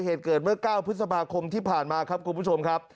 เหตุเกิดเมื่อ๙พฤษภาคมที่ผ่านมาครับคุณผู้ชมครับ